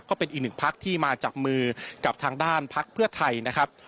ก็เป็นอีกหนึ่งพักที่มาจับมือกับทางด้านพักเพื่อไทยนะครับ